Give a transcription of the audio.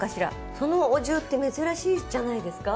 そのお重って珍しいじゃないですか。